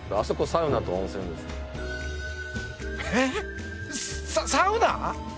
え、サウナ？